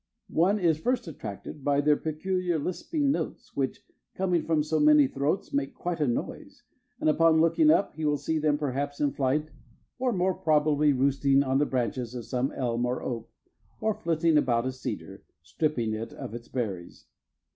One is first attracted by their peculiar lisping notes, which, coming from so many throats, make quite a noise, and upon looking up, he will see them perhaps in flight or more probably roosting on the branches of some elm or oak; or flitting about a cedar, stripping it of its berries.